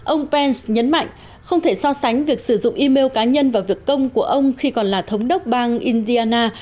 ông pence nhấn mạnh không thể so sánh việc sử dụng email cá nhân và việc công của ông khi còn là thống đốc bang indiana